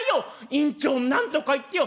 「委員長なんとか言ってよ。